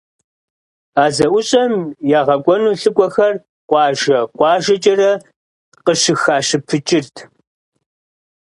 А зэӀущӀэм ягъэкӀуэну лӀыкӀуэхэр къуажэ-къуажэкӀэрэ къыщыхащыпыкӀырт.